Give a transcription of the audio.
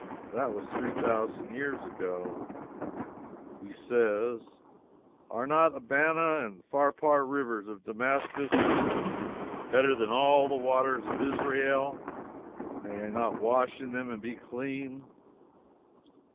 That was three thousand years ago. He says: "Are not Abana and Pharpar rivers of Damascus, better than all the waters of Israel? May I not wash in them and be clean?"